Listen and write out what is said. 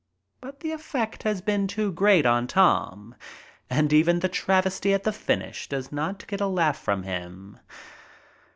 But the effect has been too great on Tom, and even the travesty at the finish does not get a laugh from him.